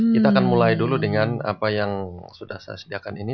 kita akan mulai dulu dengan apa yang sudah saya sediakan ini